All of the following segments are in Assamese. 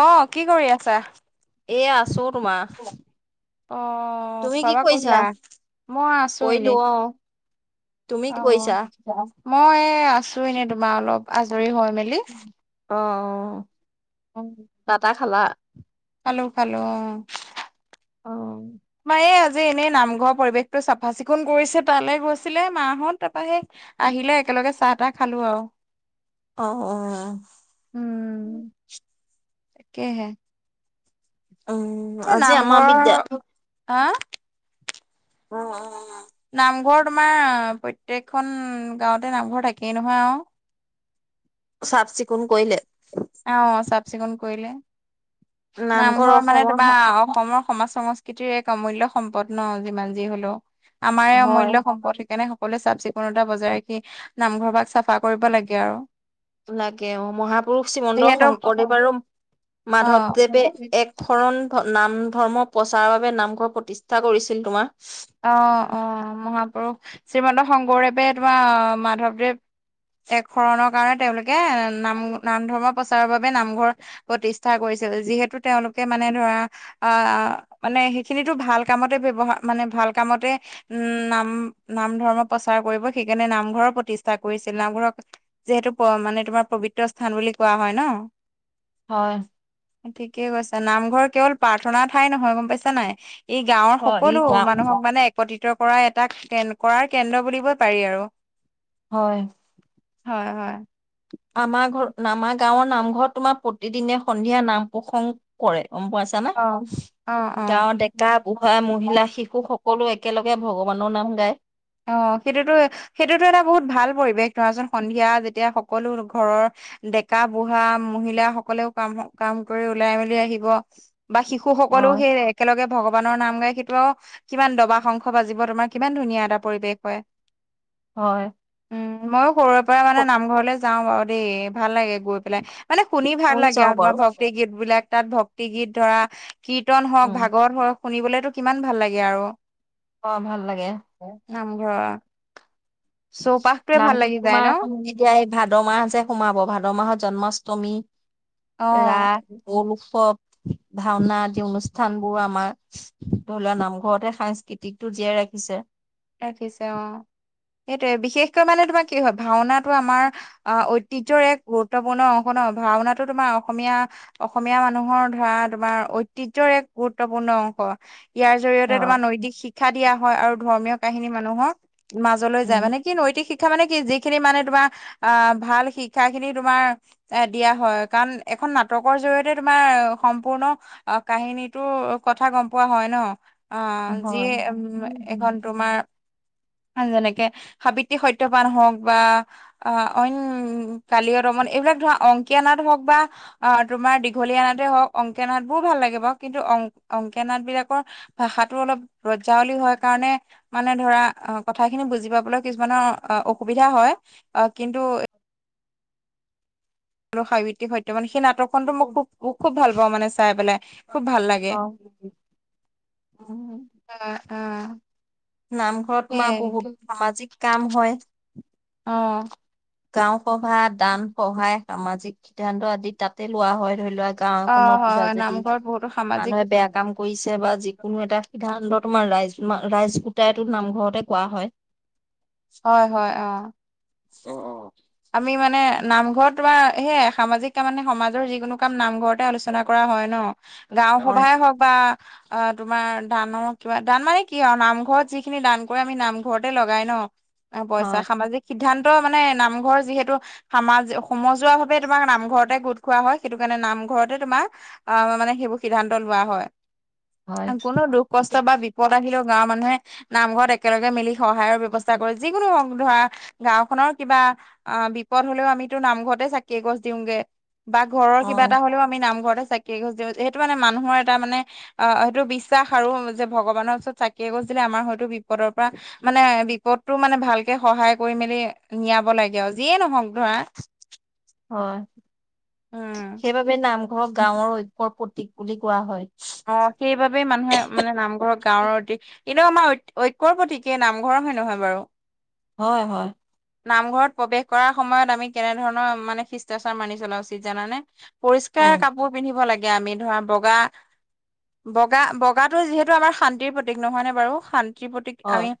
অঁ, কি কৰি আছা? এয়া আছোঁ তোমাৰ। অঁ, তুমি খোৱা কি বোৱা কৰিছা? কৰিলা মই আছো কৰিলো এনেই। অ, তুমি অ কি কৰিছা? মই আছো এনে তোমাৰ অলপ আজৰি হৈ মেলি। অঁ, অঁ। অঁ। চা টা খালা? খালো খালো অঁ। অঁ। মায়ে আজি এনেই নামঘৰ পৰিৱেশটো চাফা চিকুণ কৰিছে তালৈ গৈছিলে মাহত তাৰপ সে। আহিলে একেলগে চাহ তাহ খালো আৰু। অঁ অঁ। উম কহে। উম। এ আজি আমাৰ নামঘৰ বিদ্যা হা। উম উম। নামঘৰ তোমাৰ প্ৰত্যেকখন গাঁওঁতে নামঘৰ থাকেই নহয় আৰু, চাফ চিকুণ কৰিলে। অঁ, চাফ চিকুণ কৰিলে নামঘৰ নামঘৰত মানে অসমৰ তোমাৰ অসমৰ। সমাজ সংস্কৃতিৰ এক অমূল্য় সম্পদ ন যিমান যি হলেও আমাৰে হয়। অমূল্য় সম্পদ সেইকাৰণে। সকলোৱে চাফ চিকুণতা বজাই ৰাখি নামঘৰ ভাক চাফা কৰিব লাগে আৰু। লাগে অঁ, মহা পুৰুষ শ্ৰীমন্ত যিহেতু শংকৰদেৱ আৰু অ মাধৱদেৱে এক শৰণ, নাম ধৰ্ম প্ৰচাৰৰ বাবে নামঘৰ প্ৰতিষ্ঠা কৰিছিল তোমাৰ। অঁ, অঁ, মহাপুৰুষ শ্ৰীমন্ত শংকৰদেৱে তোমাৰ মাধৱদেৱ। এক শৰণৰ কাৰণে তেওঁলোকে নাম নাম ধৰ্ম প্ৰচাৰৰ বাবে নামঘৰ প্ৰতিষ্ঠা কৰিছিল যিহেতু তেওঁলোকে মানে ধৰা। আহ মানে সেইখিনো ভাল কামতে ব্যৱহাৰ মানে ভাল কামতে। উম নাম নাম ধৰ্ম প্ৰচাৰ কৰিব সেইকাৰণে নামঘৰৰ প্ৰতিষ্ঠা কৰিছিল নামঘৰৰ। যিহেতু মানে তোমাৰ পবিত্ৰ স্থান বুলি কোৱা হয় ন, হয়। ঠিকে কৈছা নামঘৰ কেৱল প্ৰাৰ্থনা ঠাই নহয় গম পাইছা নাই? ই গাঁৱৰ হয়, ই সকলো মানুহক মানে একত্ৰিত কৰা এটা কে কৰাৰ কেন্দ্ৰ বুলিবই পাৰি আৰু। হয়। হয় হয়। আমাৰ ঘৰ আমাৰ গাঁৱৰ নামঘৰত তোমাৰ প্ৰতিদিনে সন্ধিয়া নাম প্ৰসংগ। কৰে গম পাইছা নে? অ অ অ তেওঁ, গা বুঢ়া মহিলা শিশু সকলো একেলগে ভগৱানৰ নাম গায়। অঁ, সেইটোতো সেইটোতো এটা বহুত ভাল পৰিৱেশ ধৰা চুন সন্ধিয়া যেতিয়া সকলো ঘৰৰ। ডেকা বুঢ়া মহিলাসকলেও কাম কাম কৰি ওলাই মেলি আহিব বা শিশু। শশুসকললেও হয় সেই একেলগে ভগৱানৰ নাম গাই সেইটো আৰু কিমান দবা শংখ বাজিব তোমাৰ কিমান ধুনীয়া এটা। পৰিৱেশ হয়। হয়। উম, মইও সৰুৰে পৰা মানে নামঘৰলে যাওঁ বাৰু দেই, ভাল লাগে গৈ পেলাই। মানে শুনি ভাল ময়ো লাগে যাওঁ আৰু বাৰু তোমাৰ ভক্তি গীত বিলাক, তাত ভক্তি গীত ধৰা। কীৰ্তন হওক উম ভাগৱত হওক শুনিবলেতো কিমান ভাল লাগে আৰু। অ' ভাল লাগে। নামঘৰ চৌপাশটোৱে ভাল নামঘৰত লাগি তোমাৰ যায় ন'। এখন এতিয়া এই ভাদ মাহ যে সোমাব, ভাদ মাহত জন্মাষ্টমী। অ ৰাস, দৌল উৎসৱ, ভাওনা আদি অনুষ্ঠান বোৰ আমাৰ। ধৰি লোৱা নামঘৰতে সাংস্কৃতিকটো জীয়াই ৰাখিছে। ৰাখিছে অ' সেইটোৱে বিশেষকৈ মানে তোমাৰ কি হয় ভাওনাটো আমাৰ অ', ঐতিহ্যৰ এক গুৰুত্বপূৰ্ণ অংশ ন' ভাওনাটো তোমাৰ অসমীয়া অসমীয়া মানুহৰ ধৰা তোমাৰ ঐতিহ্যৰ এক গুৰুত্বপূৰ্ণ অংশ। ইয়াৰ জৰিয়তে তোমাৰ হয় নৈতিক শিক্ষা দিয়া হয় আৰু ধৰ্মীয় কাহিনী মানুহক। মাজলৈ যায় উম মানে কি নৈতিক শিক শিক্ষা মানে কি যিখিনি মানে তোমাৰ আ ভাল শিক্ষা খিনি তোমাৰ এ দিয়া হয়, কাৰণ এখন নাটকৰ জৰিয়তে তোমাৰ সম্পূৰ্ণ। অ', কাহিনীটো কথা গম পোৱা হয় ন', অ', যিয়ে হয় উম এখন। তোমাৰ যেনেকে সাৱিত্ৰী সত্যবান হওঁক বা অ', অইন কালিয় দমন এইবিলাক ধৰা অংকীয়া নাট হওক বা, অ', তোমাৰ দীঘলীয়া নাটে হওক অংকীয়া নাট বোৰো ভাল লাগে বাৰু, কিন্তু অং অংকীয়া নাট বিলাকৰ ভাষাটো অলপ ব্ৰজাৱলী হয় কাৰণে। মানে ধৰা কথাখিনি বুজি পাবলৈ কিছুমানৰ অসুবিধা হয় অ' কিন্তু। আৰু সাৱিত্ৰী সত্যবান সেই নাটকখনটো মোৰ খুব খুব ভাল পাওঁ মানে চাই পেলাই, খুব ভাল লাগে। অ', উম। উম, উম। নামঘৰত তোমাৰ বহুত সামাজিক কাম হয়। অঁ। গাঁও সভা দান সহায় সামাজিক সিদ্ধান্ত আদি তাতে লোৱা হয় ধৰি লোৱা। অ গাওঁখনৰ হয় কিবা হয় যদি নামঘৰত বহুতো সামাজিক মানুহে বেয়া কাম। কৰিছে বা যিকোনো এটা সিদ্ধান্ত তোমাৰ ৰাইজ ৰাইজগোটাইটো নামঘৰতে কোৱা হয়। হয়, হয় অ', অ'। আমি মানে নামঘৰত তোমাৰ সেয়াই সামাজিক কাম মানে সমাজৰ যিকোনো কাম নামঘৰতে আলোচনা। কৰা হয় ন' গাঁও হয়, সভাই হওক বা, অ', তোমাৰ দানৰ কিবা দান মানে কি আৰু নামঘৰত যিখিনি দান কৰে আমি নামঘৰতে লগাই ন'। পইচা হয়, সামাজিক সিদ্ধান্ত মানে নামঘৰ যিহেতু। সামাজ সমজুৱা ভাৱে তোমাক নামঘৰতে গোট খোৱা হয় সেইটো কাৰণে নামঘৰতে তোমাৰ আ মানে সেইবোৰ সিদ্ধান্ত লোৱা হয়। হয়, কোনো দুখ কষ্ট বা বিপদ আহিলেও গাঁৱৰ মানুহে নামঘৰত একেলগে মিলি সহায়ৰ ব্যৱস্থা। [inaudible] কৰে যিকোনো হ‌ওঁক ধৰা। গাওঁখনৰ কিবা অ' বিপদ হলেও আমিতো নামঘৰতে চাকি এগছ দিওঁগে। বা ঘৰৰ কিবা অ', এটা হলেও আমি নামঘৰতে চাকি এগছ দিওঁ সেইটো মানে মানুহৰ এটা মানে। আহ সেইটো বিশ্বাস আৰু যে ভগৱানৰ ওচৰত চাকি এগছ দিলে আমাৰ হয়তো বিপদৰ পৰা মানে বিপদটো মানে ভালকে সহায় কৰি মেলি নিয়াব লাগে আৰু যিয়ে নহওঁক ধৰা। হয় উম সেইবাবে নামঘৰক গাওঁৰ। প্ৰতীক বুলি কোৱা হয়। অ', সেইবাবেই মানুহে মানে নামঘৰৰ গাওঁৰ অতি। কিন্তু আমাৰ ঐক ঐক্যৰ প্ৰতীক এই নামঘৰ হয়নে নহয় বাৰু? হয়, হয়। নামঘৰত প্ৰৱেশ কৰাৰ সময়ত আমি কেনেধৰণৰ মানে শিষ্টাচাৰ মানি চলা উচিত জানানে? উম, পৰিষ্কাৰ কাপোৰ পিন্ধিব লাগে আমি ধৰা বগা। বগা বগাটো যিহেতু আমাৰ শান্তিৰ প্ৰতীক নহয়নে বাৰু শান্তিৰ প্ৰতীক হয়। আমি।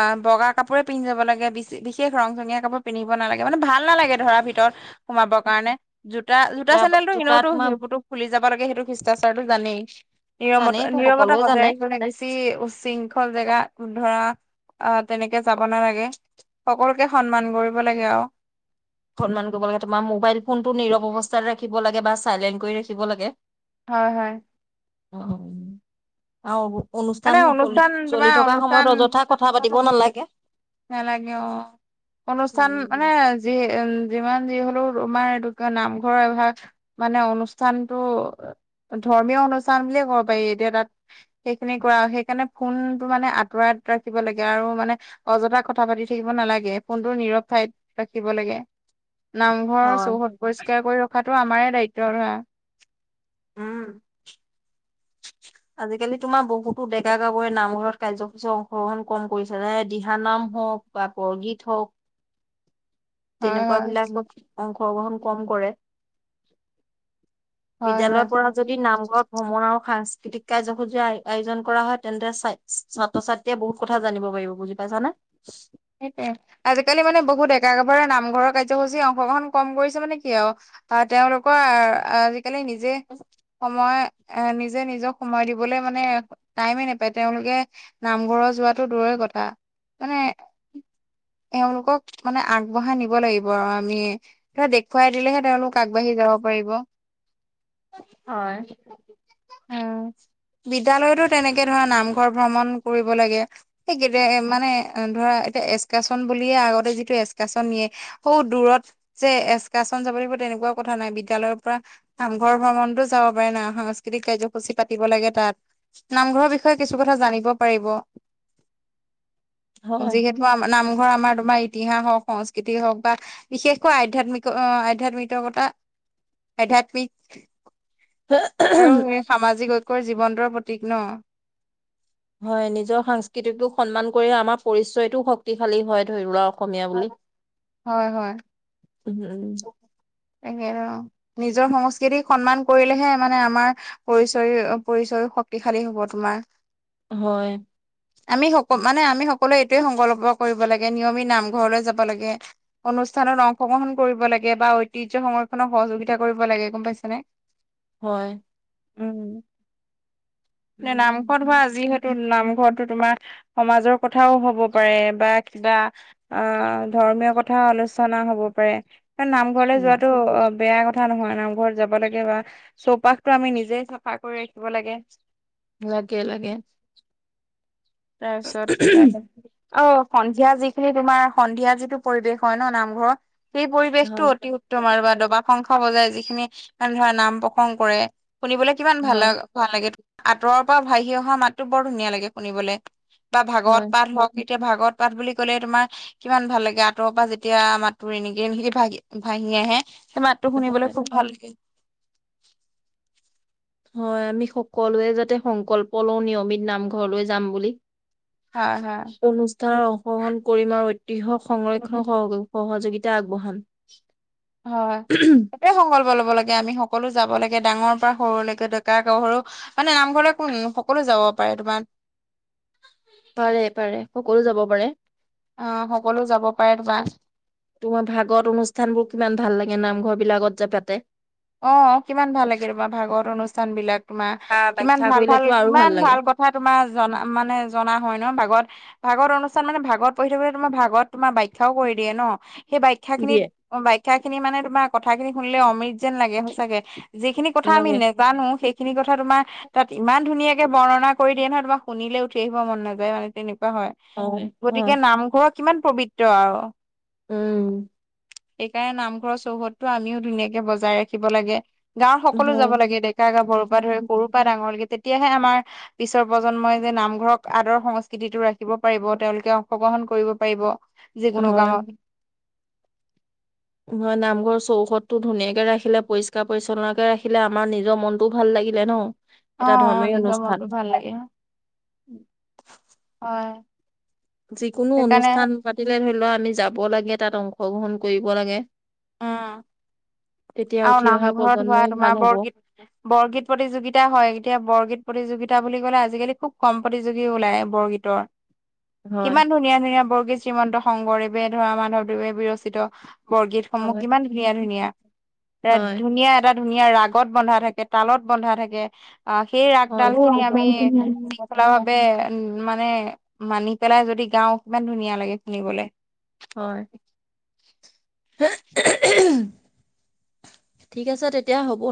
অঁ বগা কাপোৰে পিন্ধি যাব লাগে বিশে বিশেষ ৰং চঙীয়া কাপোৰ পিন্ধিব নালাগে মানে ভাল নালাগে ধৰা ভিত ভিতৰ সোমাব উম, কাৰণে জোতা জোতা চেন্দেলটো জোতা এনেও টো তোমাৰ সেইবোৰটো খুলি যাব লাগে সেইটো শিষ্টাচাৰটো জানেই। নীৰৱতা জানেইতো নীৰৱতা সকলোৱে বজাই জানে ৰাখিব বেছি উশৃংখল জেগা ধৰা অ তেনেকে যাব নালাগে। সকলোকে সন্মান কৰিব লাগে আৱ। সন্মান কৰিব লাগে তোমাৰ মোবাইল ফোনটো নীৰৱ অৱস্থাত ৰাখিব লাগে বা চাইলেণ্ট কৰি ৰাখিব লাগে। হয় হয়। অহ উম। আৰু মানে অনুষ্ঠান চলি চলি তোমাৰ থকা অনুষ্ঠান সময়ত অযথা কথা পাতিব নালাগে। নালাগে অঁ অনুষ্ঠান মানে যি যিমান যি হ'লেও তোমাৰ এইটো কি কয় নামঘৰ এভাগ মানে অনুষ্ঠানটো ধৰ্মীয় অনুষ্ঠান বুলিয়ে ক'ব পাৰি এতিয়া তাত তেনেকুৱা সেইকাৰণে ফোনটো মানে আঁতৰত ৰাখিব লাগে আৰু মানে অযথা কথা পাতি থাকিব নালাগে। ফোনটো নীৰৱ ঠাইত ৰাখিব লাগে। নামঘৰৰ হয়, চৌহদ পৰিষ্কাৰ কৰি ৰখাটো আমাৰে দায়িত্ব ধৰা। উম। আজিকালি তোমাৰ বহুতো ডেকা গাভৰুৱে নামঘৰত কাৰ্যসূচী অংশগ্ৰহণ কম কৰিছে এই দিহা নাম হওঁক বা বৰগীত হওঁক। হয় তেনেকুৱা হয় বিলাক অংশগ্ৰহণ কম কৰে। হয় বিদ্যালয়ৰ পৰা যদি নামঘৰত ভ্ৰমণ আৰু সাংস্কৃতিক কাৰ্যসূচী আ আয়োজন কৰা হয় তেন্তে ছা ছাত্ৰ ছাত্ৰী য়ে বহুত হয় কথা জানিব পাৰিব বুজি পাইছানে? সেইটোৱে আজিকালি মানে বহু ডেকা গাভৰুৱে নামঘৰৰ কাৰ্যসূচী অংশগ্ৰহণ কম কৰিছে মানে কি আৱ‌ হয় তেওঁলোকৰ আ আজিকালি নিজে সময় এ নিজে নিজক সময় দিবলে মানে টাইমে নেপায় তেওঁলোকে নামঘৰ যোৱাটো দূৰৰে কথা মানে এওঁলোকক মানে আগবঢ়াই নিব লাগিব আৱ আমি দেখুৱাই দিলেহে তেওঁলোক আগবাঢ়ি যাব পাৰিব। হয়। উম, বিদ্যালয়টো তেনেকে ধৰা নামঘৰ ভ্ৰমণ কৰিব লাগে। সেইকেইটাই মানে ধৰা হে এচকাচন বুলিয়ে আগতে যিটো এচকাচন নিয়ে হৌ দূৰত যে এচকাচন যাব লাগিব তেনেকুৱা কথা নাই বিদ্যালয়ৰ পৰা নামঘৰৰ ভ্ৰমণটো যাব পাৰে না সাংস্কৃতিক কাৰ্যসূচী পাতিব লাগে তাত নামঘৰৰ বিষয়ে কিছু কথা জানিব পাৰিব। যিহেতু বা নামঘৰ আমাৰ তোমাৰ ইতিহাস হওঁক সংস্কৃতি হওঁক বা বিশেষকৈ আধ্যাত্মিক অ আধ্যাত্মিকতা আধ্যাত্মিক হ আৰু উমহ সামাজিক ঐক্যৰ জীৱন্তৰ প্ৰতীক ন? হয় নিজৰ সংস্কৃতিটোক সন্মান কৰি আমাৰ পৰিচয়টোও শক্তিশালী হয় ধৰি লৱক অসমীয়া বুলি হয় হয়। উম উম। তাকে বাৰু, নিজৰ সংস্কৃতিক সন্মান কৰিলেহে মানে আমাৰ পৰিচয় অ পৰিচয় শক্তিশালী হ'ব তোমাৰ। হয়। আমি স মানে আমি সকলোৱে এইটোৱে সংকল্প কৰিব লাগে নিয়মিত নামঘৰলৈ যাব লাগে। অনুষ্ঠানৰ অংশগ্ৰহণ কৰিব লাগে বা ঐতিহ্য সংৰক্ষণক সহযোগিতা কৰিব লাগে গম পাইছে নে। হয় উ উম। নামঘৰত হোৱা আজিহত নামঘৰতো তোমাৰ সমাজৰ কথাও হ'ব পাৰে বা কিবা। আহ ধৰ্মীয় কথা আলোচনা হব পাৰে কাৰ নামঘৰলৈ উম যোৱাাতটো অ বেয়া কথা কথা নহয় নামঘৰত যাব লাগে বা চৌপাশতটো আমি নিজে চাফা কৰি ৰাখিব লাগে। লাগে লাগে তাৰপিছত অ সন্ধিয়া যিখিনি তোমাৰ সন্ধিয়া যিটো পৰিৱেশ হয় ন নামঘৰত সেই পৰিৱেশতটো হয় অতি উত্তম আৰু বা দবা প্ৰশংসা বজাই যিখিনি মানে ধৰা নাম প্ৰসংগ কৰে শুনিবলে কিমান ভাল হয় লাগ। ভাল লাগে আঁতৰৰ পৰা ভাহি অহা মাতো বৰ ধুনীয়া লাগে শুনিবলৈ। বা ভাগৱত হয় পাাত হওক এতিয়া ভাগৱত পাঠ বুলি ক'লে তোমাৰ কিমান ভাল লাগে আঁতৰ পৰা যেতিয়া মাতটো ৰিণিকি ৰিণিকি ভা ভাাহি আহে মাত শুনিবলৈ হয়। খুব ভাল লাগে। হয় আমি সকলোৱে যাতে সংকল্প লওঁ নিয়মিত নামঘৰলৈ যাম বুলি। হয় অনুষ্ঠান হয় অংশগ্ৰহণ কৰিম আৰু ঐতিহ্য সংৰক্ষণ সহয সহযোগিতা আগবঢ়াম। হয়। সংকল্প ল'ব লাগে আমি সকলো যাব লাগে ডাঙৰ পৰা সৰুলৈকে ডেকা সৰু মানে নামঘৰলৈ কোন সকলো যাব পাৰে তোমাৰ পাৰে পাৰে সকলো যাব পাৰে অ সকলো যাব পাৰে তো বা তোমাৰ ভাগত অনুষ্ঠান বোৰ কিমান ভাল লাগে নামঘৰ বিলাকত যে পাতে অ কিমান ভাল লাগে তোমাৰ ভাগৱত অনুষ্ঠান বিলাক তোমাৰ ব্যাখ্যা কিমান ব্যাখ্যা ভাল ভাল কৰিলেতো আৰু কিমান লাগে ভাল কথা তোমাৰ জনা মানে জনা হয় ন ভাগত ভাগত অনুষ্ঠান মানে ভাগত পঢ়ি থাকিবে তোমাৰ ভাগত তোমাৰ বাখ্যাও কৰি দিয়ে ন সেই বাখ্যাখিনিত দিয়ে বাখ্যাখিনি মানে তোমাৰ কথা খিনি শুনিলে অমৃত যেন লাগে সঁচাকে। যিখিনি কথা আমি লাগে নাজানো সেইখিনি কথা তোমাৰ তাত ইমান ধুনীয়াকে বৰ্ণনা কৰি দিয়ে নহয় তোমাক শুনিলে উঠি আহিব মন নাযায় মানে তেনেকুৱা হয়। গতিকে নামঘৰ কিমান পবিত্ৰ আৰু। উম সেইকাৰণে নামঘৰৰ চৌহদটো আমিও ধুনীয়াকে বজাই ৰাখিব লাগে। গাঁৱৰ সকলো যাব হয় লাগে ডেকা-গাভৰুৰ পৰা ধৰি সৰুৰ পৰা ডাঙৰ লৈকে তেতিয়াহে আমাৰ। পিছৰ প্ৰজন্মই যে নামঘৰক আদৰ সংস্কৃতিটো ৰাখিব পাৰিব তেওঁলোকে অংশগ্ৰহণ কৰিব পাৰিব। যিকোনো হয় কামত। হয় নামঘৰ চৌহতটো ধুনীয়াকে ৰাখিলে পৰিষ্কাৰ পৰিচ্ছন্নকে ৰাখিলে আমাৰ নিজৰ মন। তো ভাল লাগিলে ন'। এটা অ'-অ' ধৰ্মীয় নিজৰ অনুষ্ঠান মনটো ভাল লাগে হয়। যিকোনো সেইকাৰণে অনুষ্ঠান পাতিলে ধৰি লোৱা আমি যাব লাগে তাত অংশগ্ৰহণ কৰিব লাগে। উম তেতিয়া আৰু উঠি অহা নামঘৰত হোৱা প্ৰজন্মও ভাল তোমাৰ হ'ব বৰগীত বৰগীত প্ৰতিযোগিতা হয় এতিয়া বৰগীত প্ৰতিযোগিতা বুলি ক'লে আজিকালি খুব কম প্ৰতিযোগী ওলায় বৰগীতৰ। হয় কিমান ধুনীয়া ধুনীয়া বৰগীত শ্ৰীমন্ত শংকৰদেৱে ধৰা মাধৱদেৱে বিৰচিত বৰগীত। সমূহ হয় কিমান ধুনীয়া ধুনীয়া, [inaudible] হয় ধুনীয়া। এটা ধুনীয়া ৰাগত বন্ধা থাকে, তালত বন্ধা থাকে। অ সেই ৰাগডাল খিনি আমি হয় শৃংখলা ভাৱে। উম, মানে মানি পেলাই যদি গাও কিমান ধুনীয়া লাগে শুনিবলৈ। হয়। থিক আছে তেতিয়া সপোন